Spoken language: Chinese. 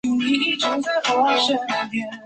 起始站分别为费德莫兴站到展览中心东站。